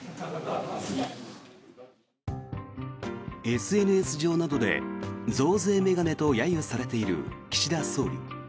ＳＮＳ上などで増税メガネと揶揄されている岸田総理。